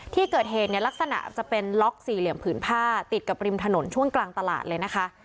ที่เกิดเหตุเนี่ยลักษณะจะเป็นล็อกสี่เหลี่ยมผืนผ้าติดกับริมถนนช่วงกลางตลาดเลยนะคะ